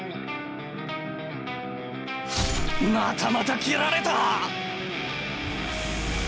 またまた斬られた！